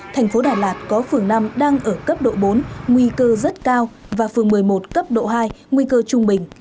thành phố đà lạt có phường năm đang ở cấp độ bốn nguy cơ rất cao và phường một mươi một cấp độ hai nguy cơ trung bình